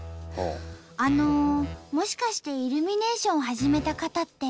あのもしかしてイルミネーション始めた方って。